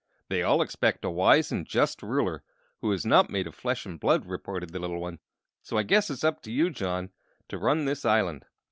"They all expect a wise and just ruler, who is not made of flesh and blood," reported the little one; "so I guess it's up to you, John, to run this island."